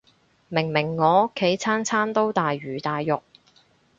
明明我屋企餐餐都大魚大肉